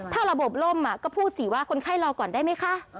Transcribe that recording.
ถ้าระบบล่มก็พูดสิว่าคนไข้รอก่อนได้ไหมคะ